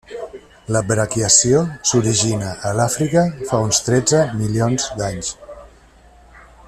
La braquiació s’origina a l’Àfrica fa uns tretze milions d’anys.